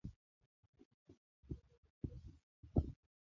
ډاکتر وويل نن به دې د پښې اكسرې واخلو.